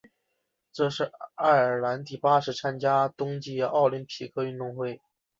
这是爱尔兰第八次参加冬季奥林匹克运动会。